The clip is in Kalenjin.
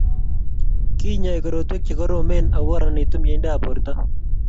Kinyoi korotwek chekoromen ako kararanitu meindap borto